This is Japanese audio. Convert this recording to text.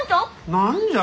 何じゃ？